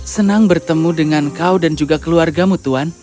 senang bertemu dengan kau dan juga keluargamu tuan